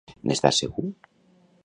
N'estàs segur?